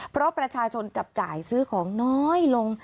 เพราะประชาชนจับจ่ายซื้อของน้อยลง